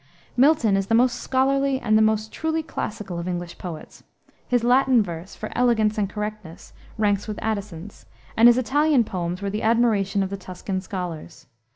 Milton is the most scholarly and the most truly classical of English poets. His Latin verse, for elegance and correctness, ranks with Addison's; and his Italian poems were the admiration of the Tuscan scholars.